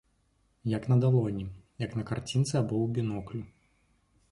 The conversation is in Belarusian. як на далоні, як на карцінцы або ў біноклю.